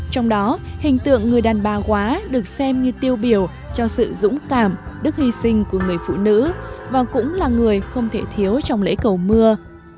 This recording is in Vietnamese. trong đó hình tượng người đàn bà quá được xem như tiêu biểu cho sự dũng cảm đức hy sinh của người phụ nữ và cũng là người không thể thiếu trong lễ cầu mưa